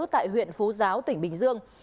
tại huyện phú giáo tỉnh bình dương